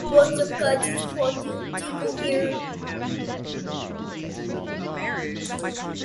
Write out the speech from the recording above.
It has been compared to the Republican National Convention of the United States.